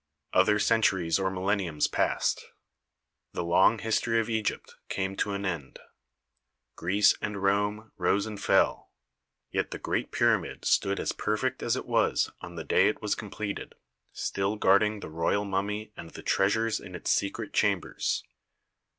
Other centuries or millenniums passed. The long history of Egypt came to an end. Greece and Rome rose and fell, yet the great pyramid stood as perfect as it was on the day it was com pleted, still guarding the royal mummy and the treasures in its secret chambers.